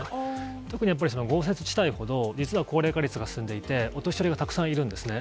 特に、やっぱり豪雪地帯ほど、実は高齢化率が進んでいて、お年寄りがたくさんいるんですね。